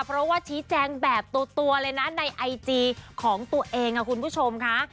เพราะว่าชี้แจงแบบตัวเลยนะในไอจีของตัวเองค่ะคุณผู้ชมค่ะ